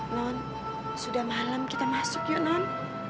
non sudah malam kita masuk yuk non